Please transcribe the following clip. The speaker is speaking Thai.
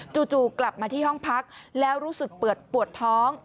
จู่กลับมาที่ห้องพักแล้วรู้สึกเปลือดปวดท้อง